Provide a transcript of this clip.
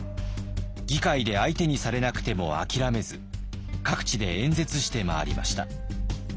議会で相手にされなくても諦めず各地で演説して回りました。